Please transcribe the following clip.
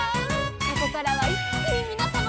「ここからはいっきにみなさまを」